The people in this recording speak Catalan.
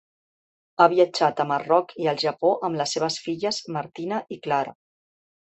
Ha viatjat a Marroc i al Japó amb les seves filles Martina i Clara.